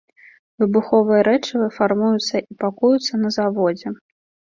Выбуховыя рэчывы фармуюцца і пакуюцца на заводзе.